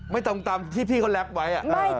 ตรงตามที่พี่เขาแรปไว้